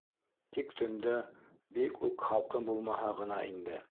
Тик төндә бик үк һалҡын булмаһа ғына инде.